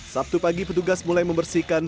sabtu pagi petugas mulai membersihkan